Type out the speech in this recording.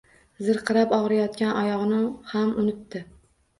Zirqirab og‘riyotgan oyog‘ini ham unutdi